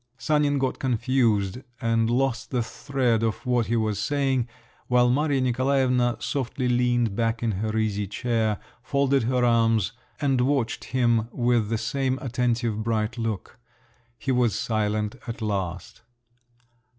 Sanin got confused, and lost the thread of what he was saying, while Maria Nikolaevna softly leaned back in her easy chair, folded her arms, and watched him with the same attentive bright look. He was silent at last.